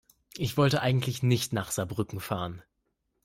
Ich wollte eigentlich nicht nach Saarbrücken fahren